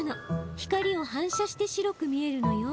光を反射して白く見えるのよ。